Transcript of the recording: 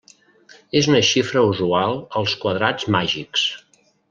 És una xifra usual als quadrats màgics.